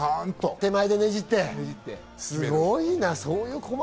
手前でねじって、すごいな！